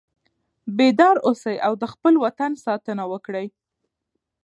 بیدار اوسئ او د خپل وطن ساتنه وکړئ.